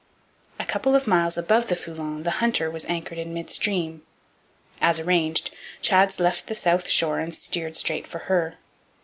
A couple of miles above the Foulon the Hunter was anchored in midstream. As arranged, Chads left the south shore and steered straight for her.